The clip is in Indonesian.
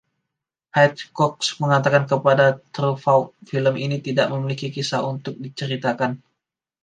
Hitchcock mengatakan kepada Truffaut "Film ini tidak memiliki kisah untuk diceritakan".